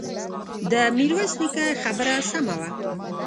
د ميرويس نيکه خبره سمه وه.